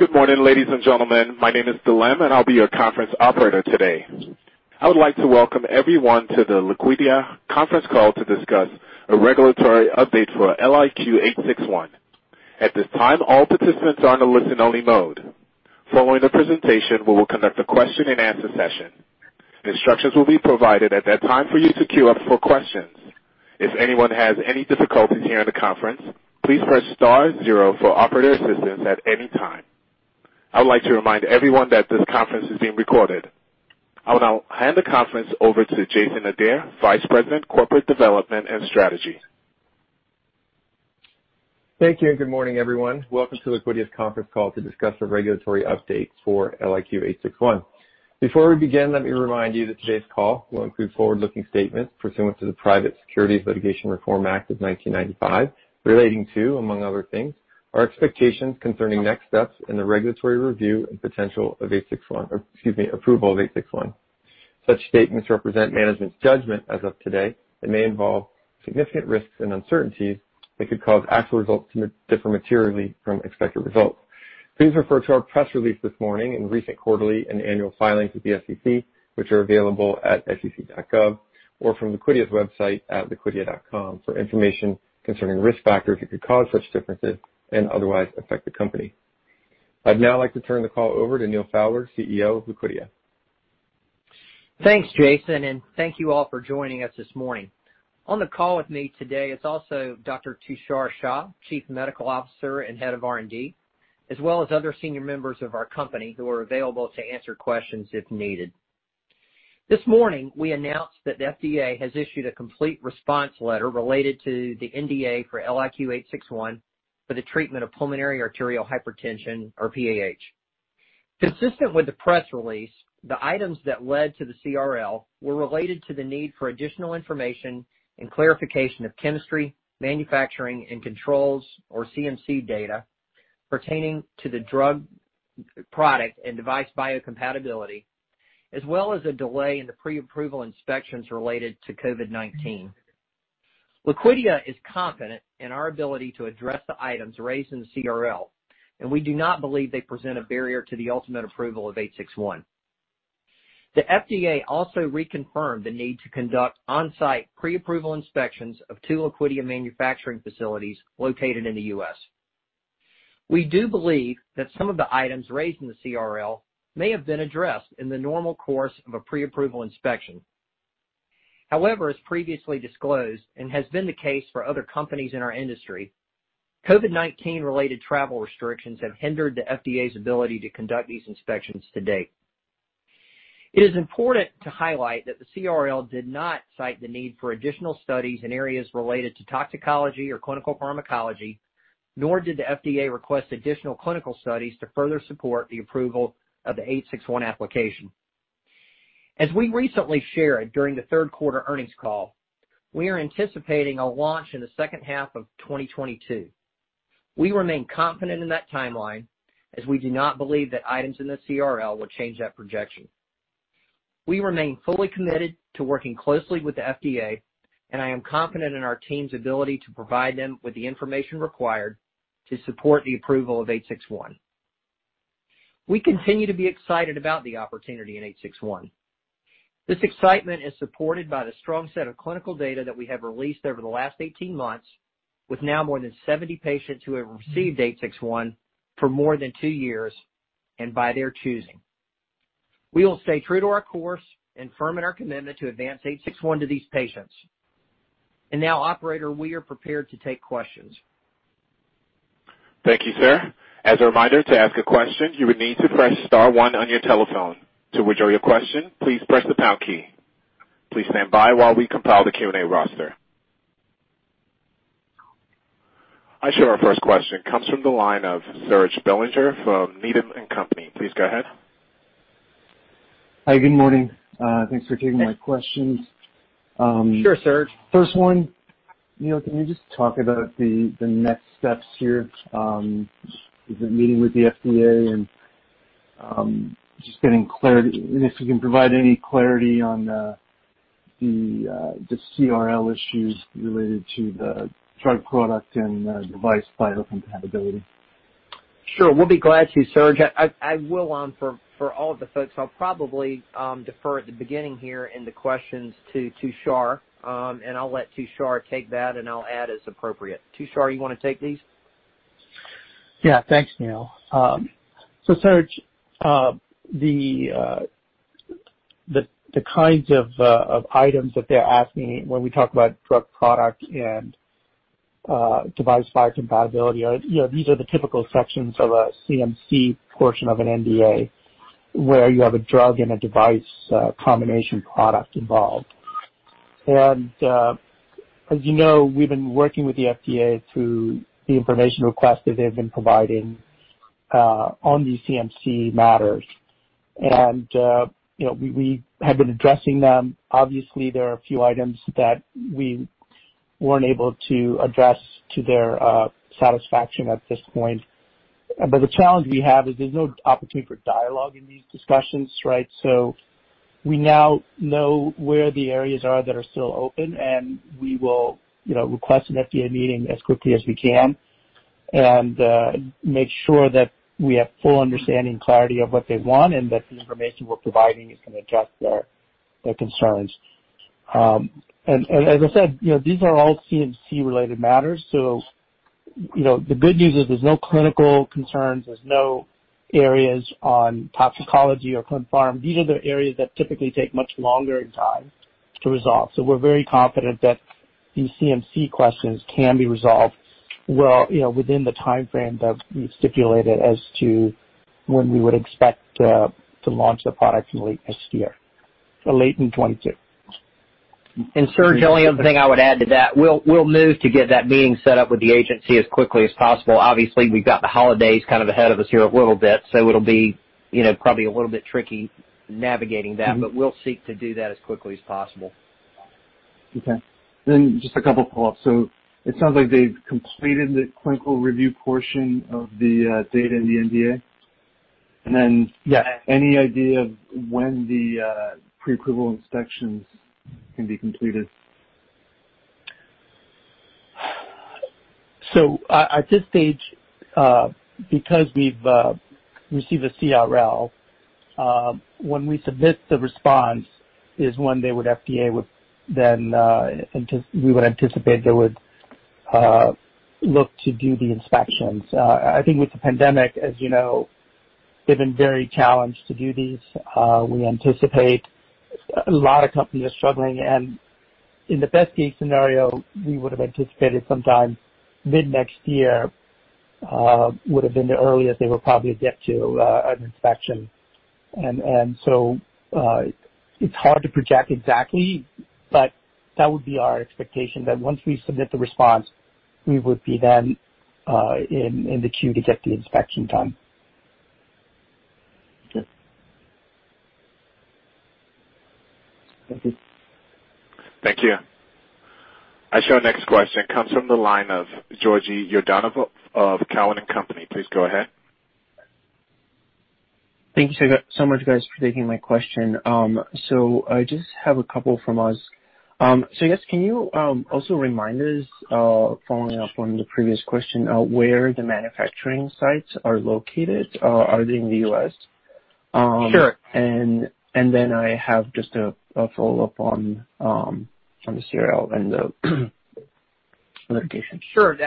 Good morning, ladies and gentlemen. My name is Delem, and I'll be your conference operator today. I would like to welcome everyone to the Liquidia conference call to discuss a regulatory update for LIQ861. At this time, all participants are in a listen-only mode. Following the presentation, we will conduct a question-and-answer session. Instructions will be provided at that time for you to queue up for questions. If anyone has any difficulties hearing the conference, please press star zero for operator assistance at any time. I would like to remind everyone that this conference is being recorded. I will now hand the conference over to Jason Adair, Vice President, Corporate Development and Strategy. Thank you, and good morning, everyone. Welcome to Liquidia's conference call to discuss the regulatory update for LIQ861. Before we begin, let me remind you that today's call will include forward-looking statements pursuant to the Private Securities Litigation Reform Act of 1995 relating to, among other things, our expectations concerning next steps in the regulatory review and approval of LIQ861. Such statements represent management's judgment as of today and may involve significant risks and uncertainties that could cause actual results to differ materially from expected results. Please refer to our press release this morning and recent quarterly and annual filings with the SEC, which are available at sec.gov or from Liquidia's website at liquidia.com for information concerning risk factors that could cause such differences and otherwise affect the company. I'd now like to turn the call over to Neal Fowler, CEO of Liquidia. Thanks, Jason. Thank you all for joining us this morning. On the call with me today is also Dr. Tushar Shah, Chief Medical Officer and Head of R&D, as well as other senior members of our company who are available to answer questions if needed. This morning, we announced that the FDA has issued a complete response letter related to the NDA for LIQ861 for the treatment of pulmonary arterial hypertension, or PAH. Consistent with the press release, the items that led to the CRL were related to the need for additional information and clarification of chemistry, manufacturing, and controls, or CMC data pertaining to the drug product and device biocompatibility, as well as a delay in the pre-approval inspections related to COVID-19. Liquidia is confident in our ability to address the items raised in the CRL, and we do not believe they present a barrier to the ultimate approval of LIQ861. The FDA also reconfirmed the need to conduct on-site pre-approval inspections of two Liquidia manufacturing facilities located in the U.S. We do believe that some of the items raised in the CRL may have been addressed in the normal course of a pre-approval inspection. However, as previously disclosed, and has been the case for other companies in our industry, COVID-19 related travel restrictions have hindered the FDA's ability to conduct these inspections to date. It is important to highlight that the CRL did not cite the need for additional studies in areas related to toxicology or clinical pharmacology, nor did the FDA request additional clinical studies to further support the approval of the LIQ861 application. As we recently shared during the third quarter earnings call, we are anticipating a launch in the second half of 2022. We remain confident in that timeline, as we do not believe that items in the CRL will change that projection. We remain fully committed to working closely with the FDA, and I am confident in our team's ability to provide them with the information required to support the approval of LIQ861. We continue to be excited about the opportunity in LIQ861. This excitement is supported by the strong set of clinical data that we have released over the last 18 months with now more than 70 patients who have received LIQ861 for more than two years and by their choosing. We will stay true to our course and firm in our commitment to advance LIQ861 to these patients. Now, operator, we are prepared to take questions. Thank you, sir. As a reminder, to ask a question, you will need to press star one on your telephone. To withdraw your question, please press the pound key. Please stand by while we compile the Q&A roster. I show our first question comes from the line of Serge Belanger from Needham & Company. Please go ahead. Hi, good morning. Thanks for taking my questions. Sure, Serge. First one, Neal, can you just talk about the next steps here? Is it meeting with the FDA? Just getting clarity, and if you can provide any clarity on the CRL issues related to the drug product and device biocompatibility? Sure. We'll be glad to, Serge. I will for all of the folks, I'll probably defer at the beginning here in the questions to Tushar, and I'll let Tushar take that, and I'll add as appropriate. Tushar, you want to take these? Thanks, Neal. Serge, the kinds of items that they're asking when we talk about drug product and device biocompatibility are these are the typical sections of a CMC portion of an NDA where you have a drug and a device combination product involved. As you know, we've been working with the FDA through the information request that they have been providing on these CMC matters. We have been addressing them. Obviously, there are a few items that we weren't able to address to their satisfaction at this point. The challenge we have is there's no opportunity for dialogue in these discussions, right? We now know where the areas are that are still open, and we will request an FDA meeting as quickly as we can and make sure that we have full understanding and clarity of what they want and that the information we're providing is going to address their concerns. As I said, these are all CMC-related matters. The good news is there's no clinical concerns. There's no areas on toxicology or Clin Pharm. These are the areas that typically take much longer in time to resolve. We're very confident that these CMC questions can be resolved within the timeframe that we've stipulated as to when we would expect to launch the product in late next year. Late in 2022. Serge, the only other thing I would add to that, we'll move to get that meeting set up with the agency as quickly as possible. Obviously, we've got the holidays ahead of us here a little bit, so it'll be probably a little bit tricky navigating that, but we'll seek to do that as quickly as possible. Okay. Just a couple follow-ups. It sounds like they've completed the clinical review portion of the data in the NDA? Yes. Any idea of when the pre-approval inspections can be completed? At this stage, because we've received a CRL, when we submit the response is when they would anticipate they would look to do the inspections. I think with the pandemic, as you know, they've been very challenged to do these. We anticipate a lot of companies are struggling, and in the best-case scenario, we would have anticipated sometime mid-next year would have been the earliest they would probably get to an inspection. It's hard to project exactly, but that would be our expectation, that once we submit the response, we would be then in the queue to get the inspection done. Okay. Thank you. Thank you. Our next question comes from the line of Georgi Yordanov of Cowen and Company. Please go ahead. Thank you so much, guys, for taking my question. I just have a couple from us. Yes, can you also remind us, following up on the previous question, where the manufacturing sites are located? Are they in the U.S.? Sure. I have just a follow-up on the CRL and the litigation. Sure.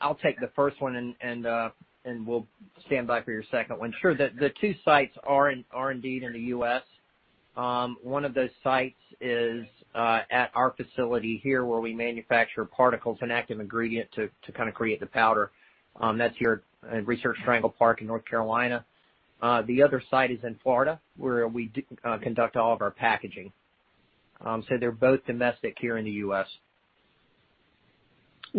I'll take the first one, and we'll stand by for your second one. Sure. The two sites are indeed in the U.S. One of those sites is at our facility here, where we manufacture particles and active ingredient to create the powder. That's here at Research Triangle Park in North Carolina. The other site is in Florida, where we conduct all of our packaging. They're both domestic here in the U.S.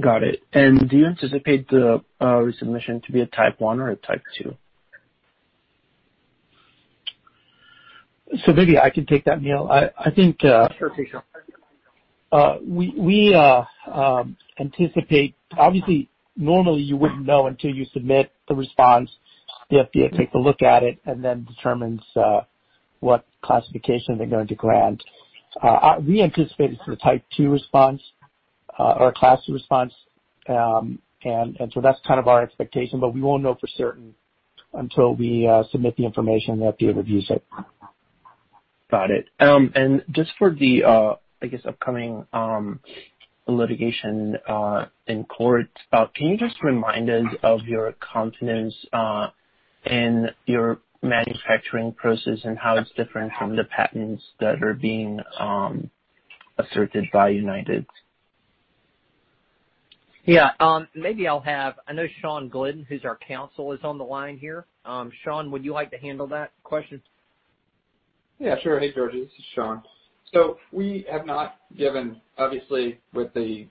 Got it. Do you anticipate the resubmission to be a type 1 or a type 2? Maybe I can take that, Neal. Sure. Take it, Rusty We anticipate, obviously, normally you wouldn't know until you submit the response, the FDA takes a look at it, then determines what classification they're going to grant. We anticipate it's a type 2 response, that's our expectation, but we won't know for certain until we submit the information and the FDA reviews it. Got it. Just for the, I guess, upcoming litigation in court, can you just remind us of your confidence in your manufacturing process and how it's different from the patents that are being asserted by United? Yeah. I know [Schundler], who's our counsel, is on the line here. Schun would you like to handle that question? Yeah, sure. Hey, Georgi. This is Schun. We have not given, obviously, with the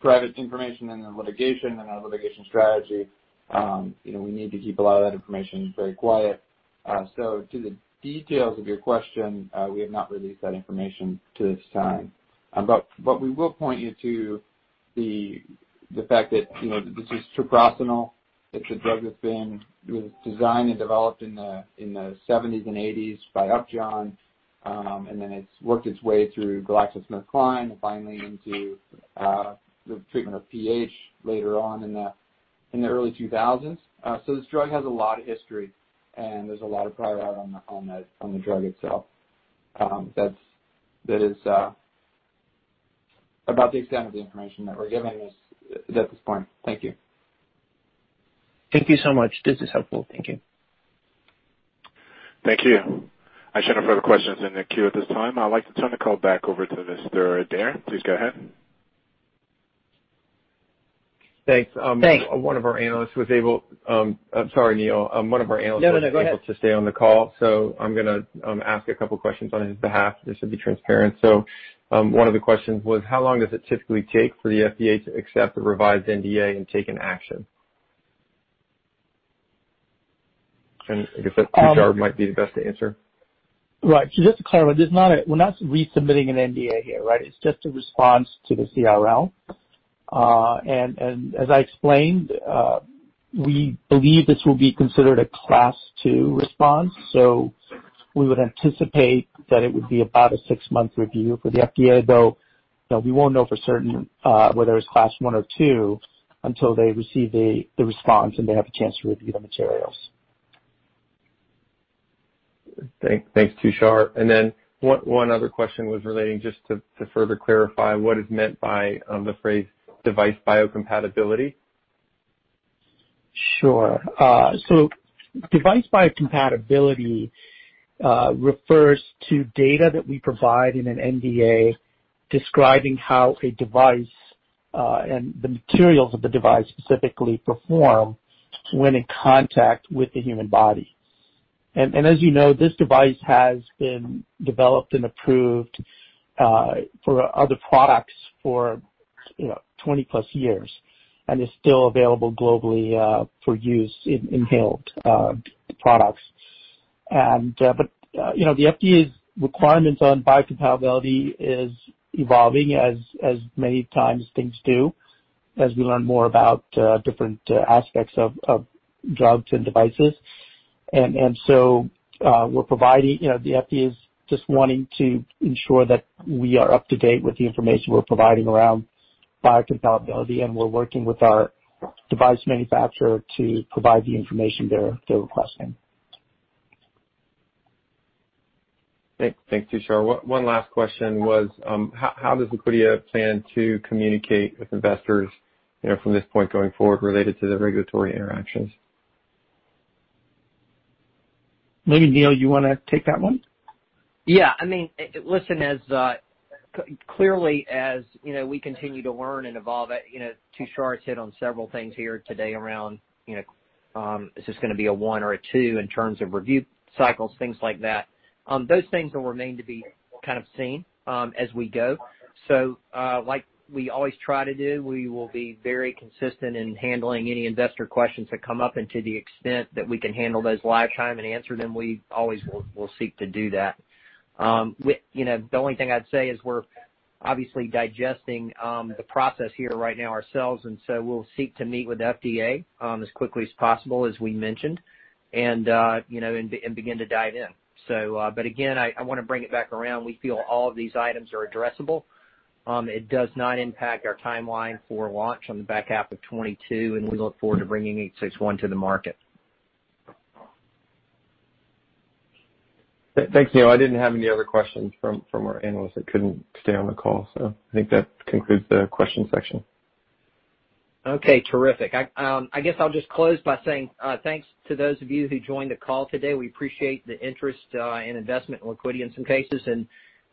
private information and the litigation and our litigation strategy, we need to keep a lot of that information very quiet. To the details of your question, we have not released that information to this time. We will point you to the fact that this is treprostinil. It's a drug that was designed and developed in the '70s and '80s by Upjohn, and then it's worked its way through GlaxoSmithKline and finally into the treatment of PH later on in the early 2000s. This drug has a lot of history, and there's a lot of prior art on the drug itself. That is about the extent of the information that we're giving at this point. Thank you. Thank you so much. This is helpful. Thank you. Thank you. I show no further questions in the queue at this time. I'd like to turn the call back over to Mr. Adair. Please go ahead. Thanks. Thanks. I'm sorry, Neal. One of our analysts- No, go ahead. was able to stay on the call, so I'm going to ask a couple questions on his behalf, just to be transparent. One of the questions was, how long does it typically take for the FDA to accept a revised NDA and take an action? I guess that's Tushar might be the best to answer. Right. Just to clarify, we're not resubmitting an NDA here, right? It's just a response to the CRL. As I explained, we believe this will be considered a class 2 resubmission. We would anticipate that it would be about a six-month review for the FDA, though we won't know for certain whether it's class 1 or 2 until they receive the response and they have a chance to review the materials. Thanks, Tushar. One other question was relating just to further clarify what is meant by the phrase device biocompatibility? Sure. Device biocompatibility refers to data that we provide in an NDA describing how a device and the materials of the device specifically perform when in contact with the human body. As you know, this device has been developed and approved for other products for 20-plus years and is still available globally for use in inhaled products. The FDA's requirements on biocompatibility is evolving as many times things do, as we learn more about different aspects of drugs and devices. The FDA is just wanting to ensure that we are up to date with the information we're providing around biocompatibility, and we're working with our device manufacturer to provide the information they're requesting. Thanks, Tushar. One last question was how does Liquidia plan to communicate with investors from this point going forward related to the regulatory interactions? Maybe, Neal, you want to take that one? Yeah. Listen, clearly, as we continue to learn and evolve, Tushar's hit on several things here today around is this going to be one or two in terms of review cycles, things like that. Those things will remain to be kind of seen as we go. Like we always try to do, we will be very consistent in handling any investor questions that come up and to the extent that we can handle those live time and answer them, we always will seek to do that. The only thing I'd say is we're obviously digesting the process here right now ourselves. We'll seek to meet with FDA as quickly as possible, as we mentioned, and begin to dive in. Again, I want to bring it back around. We feel all of these items are addressable. It does not impact our timeline for launch on the back half of 2022, and we look forward to bringing LIQ861 to the market. Thanks, Neal. I didn't have any other questions from our analysts that couldn't stay on the call, so I think that concludes the questions section. Okay, terrific. I guess I'll just close by saying thanks to those of you who joined the call today. We appreciate the interest and investment in Liquidia in some cases.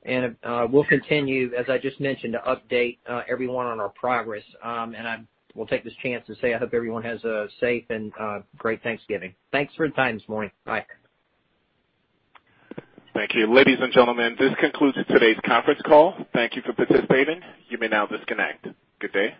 We'll continue, as I just mentioned, to update everyone on our progress. I will take this chance to say I hope everyone has a safe and great Thanksgiving. Thanks for your time this morning. Bye. Thank you. Ladies and gentlemen, this concludes today's conference call. Thank you for participating. You may now disconnect. Good day.